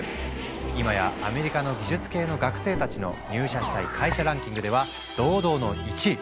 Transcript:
今やアメリカの技術系の学生たちの入社したい会社ランキングでは堂々の１位。